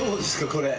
これ。